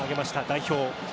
代表。